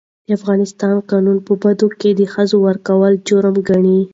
د افغانستان قانون په بدو کي د ښځو ورکول جرم ګڼي.